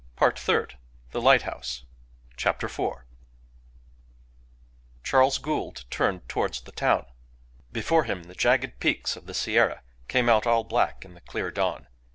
"You shall never see them again!" CHAPTER FOUR Charles Gould turned towards the town. Before him the jagged peaks of the Sierra came out all black in the clear dawn.